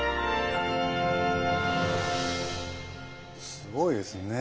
すごいですよね。